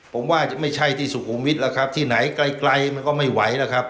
ผมว่าจะไม่ใช่ที่สุขุมวิทย์แล้วครับที่ไหนไกลไกลมันก็ไม่ไหวแล้วครับ